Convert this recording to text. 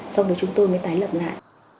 xong rồi chúng tôi mới tái lập lại